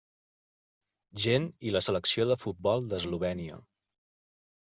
Gent i la selecció de futbol d'Eslovènia.